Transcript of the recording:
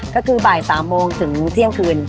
ก็คือบ่าย๓โมงถึงเที่ยงคืน